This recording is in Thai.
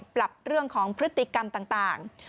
ปรับเรื่องของพฤติกรรมต่าง